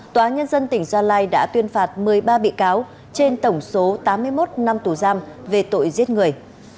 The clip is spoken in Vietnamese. tòa nhân dân tỉnh gia lai đã tuyên phạt một mươi ba bị cáo trên tổng số tám mươi một năm tù giam về tội giết người